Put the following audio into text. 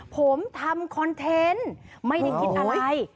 ผมทำคอนเทนต์ไม่ลึกอัร่าย